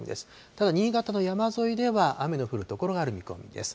ただ、新潟の山沿いでは、雨の降る所がある見込みです。